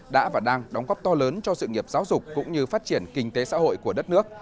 đã và đang đóng góp to lớn cho sự nghiệp giáo dục cũng như phát triển kinh tế xã hội của đất nước